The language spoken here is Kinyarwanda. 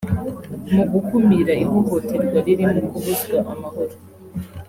Mu gukumira ihohoterwa ririmo kubuzwa amahoro